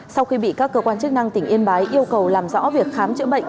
sau khi bị các cơ quan chức năng tỉnh yên bái yêu cầu làm rõ việc khám chữa bệnh